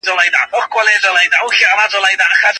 هغه څه چي مینه بلل کیږي یوازې اړتیا ده.